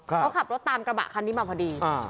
เขาขับรถตามกระบะคันนี้มาพอดี